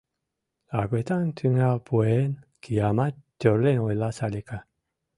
Агытан тӱҥал пуэн, киямат, — тӧрлен ойла Салика.